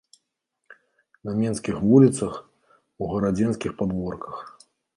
На менскіх вуліцах, у гарадзенскіх падворках.